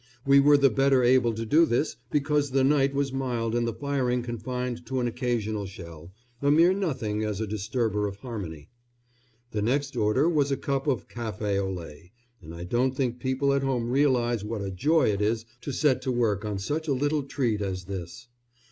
We were the better able to do this because the night was mild and the firing confined to an occasional shell a mere nothing as a disturber of harmony. The next order was a cup of café au lait, and I don't think people at home realise what a joy it is to set to work on such a little treat as this.